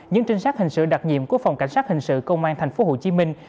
những trinh sát hình sự đặc nhiệm của phòng cảnh sát hình sự công an thành phố hồ chí minh